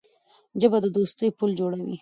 ژبه د دوستۍ پُل جوړوي